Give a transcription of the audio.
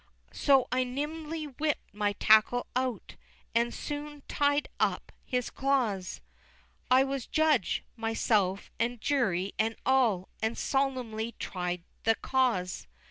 So I nimbly whipt my tackle out, And soon tied up his claws, I was judge, myself, and jury, and all, And solemnly tried the cause.